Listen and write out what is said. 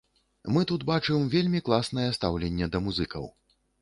Мы тут бачым вельмі класнае стаўленне да музыкаў.